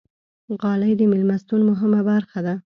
غالۍ د میلمستون مهمه برخه ده.